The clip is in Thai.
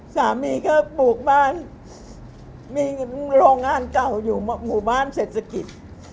สามีก็ปลูกบ้านมีโรงงานเก่าอยู่หมู่บ้านเศรษฐกิจ